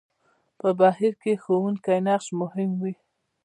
په بهير کې د ښوونکي نقش مهم وي.